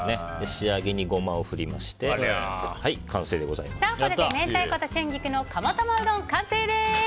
仕上げにゴマを振りまして明太子と春菊の釜玉うどん完成です。